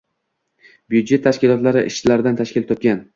byudjet tashkilotlari ishchilaridan tashkil topgan.